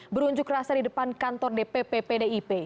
berunjuk rasa di depan kantor dpp pdip